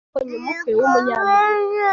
Babonye ubukwe w’Umunyamerika